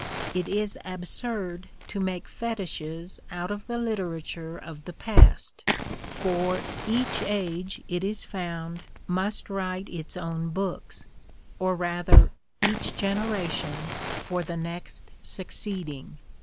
It is absurd to make fetishes out of the literature of the Past, for " each age, it is found, must write its own books ; or rather each generation for the: next succeeding.